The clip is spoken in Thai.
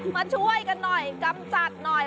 มาช่วยกันหน่อยกำจัดหน่อย